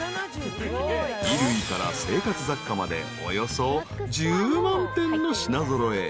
［衣類から生活雑貨までおよそ１０万点の品揃え］